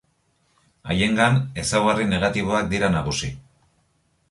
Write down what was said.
Haiengan ezaugarri negatiboak dira nagusi.